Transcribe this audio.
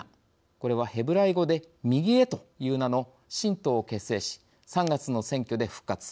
これはヘブライ語で右へという名の新党を結成し３月の選挙で復活。